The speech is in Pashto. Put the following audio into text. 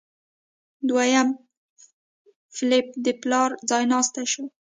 دویم فلیپ د پلار ځایناستی شو.